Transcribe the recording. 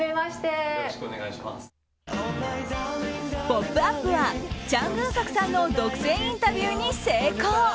「ポップＵＰ！」はチャン・グンソクさんの独占インタビューに成功。